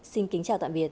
xin kính chào tạm biệt